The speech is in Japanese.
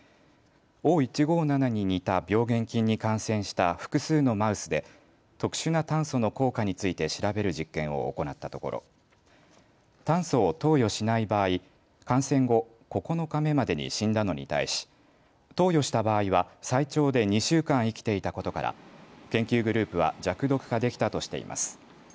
Ｏ１５７に似た病原菌に感染した複数のマウスで特殊な炭素の効果について調べる実験を行ったところ炭素を投与しない場合感染後、９日目までに死んだのに対し、投与した場合は最長で２週間生きていたことから研究グループは弱毒化できたとしています。